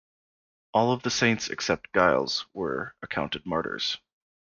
All of the saints except Giles were accounted martyrs.